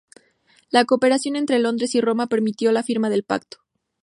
La cooperación entre Londres y Roma permitió la firma del pacto.